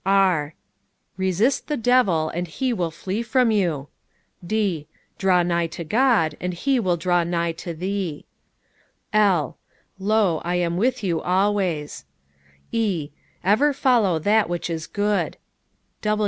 R Resist the devil, and he will flee from you. D Draw nigh to God, and He will draw nigh to thee. "L Lo, I am with you always. E Ever follow that which is good.